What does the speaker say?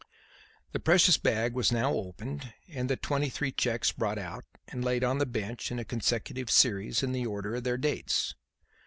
The precious bag was now opened and the twenty three cheques brought out and laid on the bench in a consecutive series in the order of their dates.